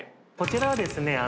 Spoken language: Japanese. こちらはですね